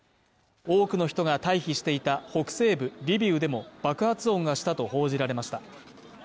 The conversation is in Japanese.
多くの人が退避していた北西部リビウでも爆発音がしたと報じられました。